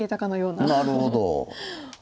なるほど。